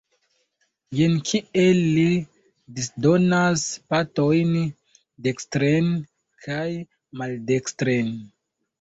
Jen kiel li disdonas batojn dekstren kaj maldekstren!